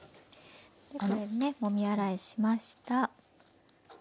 もみ洗いしました。